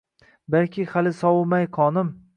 Balki hali sovimay qonim